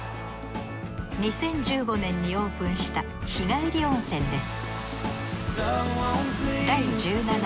２０１５年にオープンした日帰り温泉です